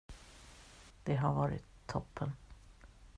Det har varit toppen.